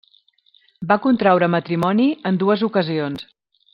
Va contraure matrimoni en dues ocasions.